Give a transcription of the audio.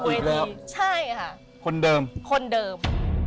อ๋ออีกแล้วใช่ค่ะคนเดิมคนเดิม